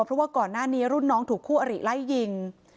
เพราะว่าก่อนหน้านี้รุ่นน้องถูกคู่อริไล่ยิง